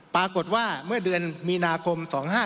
ปรากฏว่าเมื่อเดือนมีนาคม๒๕๕๙